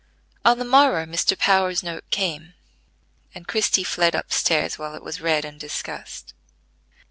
On the morrow, Mr. Power's note came, and Christie fled upstairs while it was read and discussed.